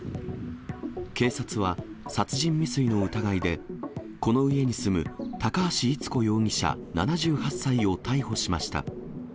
警察は殺人未遂の疑いで、この家に住む高橋伊都子容疑者７８歳を逮捕しました。